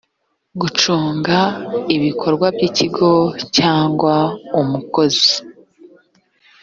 gucunga ibikorwa by’ikigo cyangwa umukozi